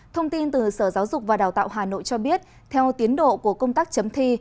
thông tin từ sở giáo dục và đào tạo hà nội cho biết theo tiến độ của công tác chấm thi